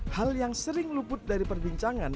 hal yang sering luput dari perbincangan